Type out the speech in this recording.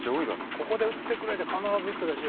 「ここで打ってくれ」で必ず打ってたし。